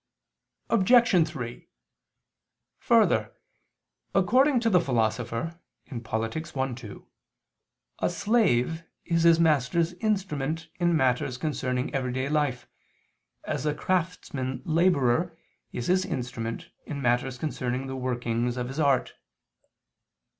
Obj. 3: Further, according to the Philosopher (Polit. i, 2) a slave is his master's instrument in matters concerning everyday life, even as a craftsman's laborer is his instrument in matters concerning the working of his art.